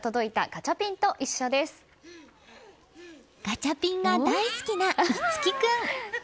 ガチャピンが大好きな樹君。